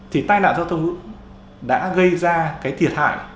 thì tai nạn giao thông đã gây ra cái thiệt hại